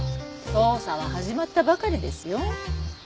捜査は始まったばかりですよ。